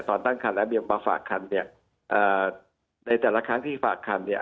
ตอนตั้งคันแล้วมาฝากคันเนี่ยในแต่ละครั้งที่ฝากคันเนี่ย